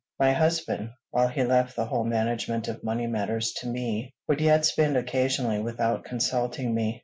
My husband, while he left the whole management of money matters to me, would yet spend occasionally without consulting me.